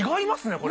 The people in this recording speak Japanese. これ。